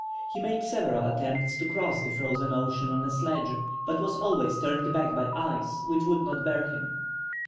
He made several attempts to cross the frozen ocean on a sledge, but was always turned back by ice which would not bear him.